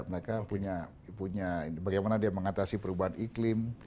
mereka punya bagaimana dia mengatasi perubahan iklim